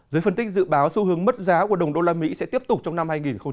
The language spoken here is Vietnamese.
giới phân tích dự báo xu hướng mất giá của đồng usd sẽ tiếp tục trong năm hai nghìn hai mươi một